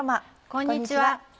こんにちは。